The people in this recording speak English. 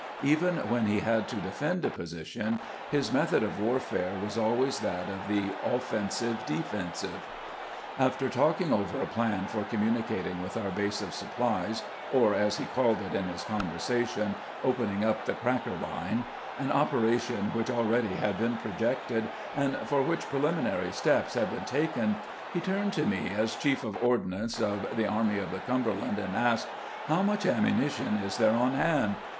Even when he had to defend a position, his method of warfare was always that of the " offensive defensive." After talking over a plan for communicating with our base of supplies, or, as he called it in his conversation, "opening up the cracker line," an operation which already had been projected and for which preliminary steps had been taken, he turned to me as chief of ord nance of the Army of the Cumberland, and asked, " How much ammunition is there on hand